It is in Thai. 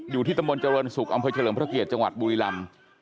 อยู่ที่ตำบลเจริญศุกร์อำเภอเฉลิมพระเกียรติจังหวัดบุรีลำ